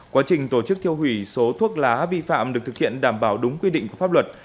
quá trình tổ chức thiêu hủy số thuốc lá vi phạm được thực hiện đảm bảo đúng quy định của pháp luật